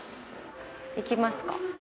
行きますか。